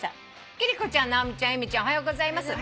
「貴理子ちゃん直美ちゃん由美ちゃんおはようございます」